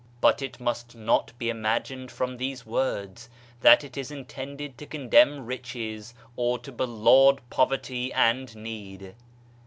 But it must not be imagined from these words, that it is intended to condemn riches or to belaud poverty and need.